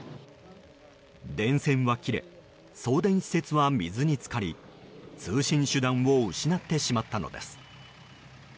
電線は切れ送電施設は水に浸かり通信手段を失ってしまったのです。